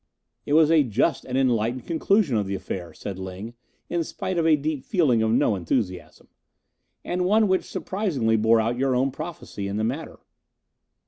"It was a just and enlightened conclusion of the affair," said Ling, in spite of a deep feeling of no enthusiasm, "and one which surprisingly bore out your own prophecy in the matter."